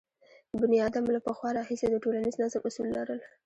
بنیادم له پخوا راهیسې د ټولنیز نظم اصول لرل.